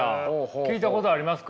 聞いたことありますか？